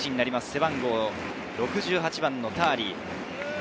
背番号６８のターリー。